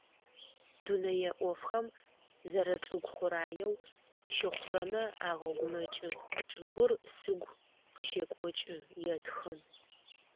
Дунэе Ӏофхэм, зэрэчӏыгу хъураеу щыхъурэмэ агъэгумэкӏы: «Чӏыгур сыгу къыщекӏокӏы»,- етхы.